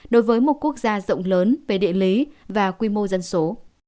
đối với một quốc gia rộng lớn về địa lý và quy mô dân số